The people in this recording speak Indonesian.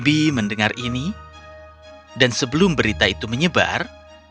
bibi mendengar ini dan sebelum berita itu menyebar